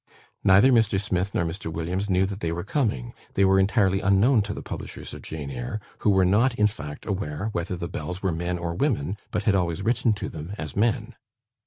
Neither Mr. Smith nor Mr. Williams knew that they were coming; they were entirely unknown to the publishers of "Jane Eyre", who were not, in fact, aware whether the "Bells" were men or women, but had always written to them as to men.